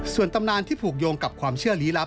ส่วนตำนานที่ผูกโยงกับความเชื่อลี้ลับ